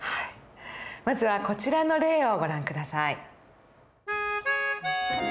まずはこちらの例をご覧下さい。